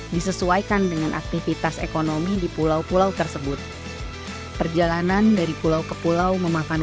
disesuaikan dengan aktivitas ekonomi di pulau pulau tersebut perjalanan dari pulau ke pulau memakan